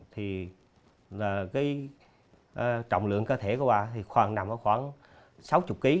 thì trọng lượng ca thể của bà thì khoảng nằm ở khoảng sáu mươi kg